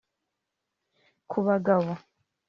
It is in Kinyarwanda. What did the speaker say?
Ku bagabo